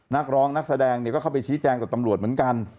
นักร้องนักแสดงก็เข้าไปชี้แจงกับตำรวจเหมือนกัน